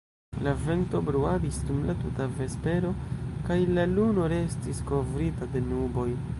La vento bruadis dum la tuta vespero, kaj la luno restis kovrita de nuboj.